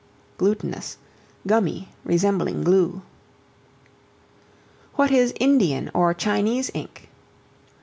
Glutinous, gummy, resembling glue. What is Indian, or Chinese Ink?